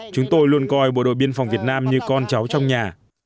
chúng tôi luôn coi bộ đội biên phòng việt nam như con cháu trong nhà